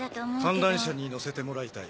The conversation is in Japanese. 観覧車に乗せてもらいたい。